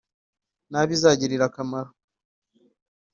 n’abo izagirira akamaro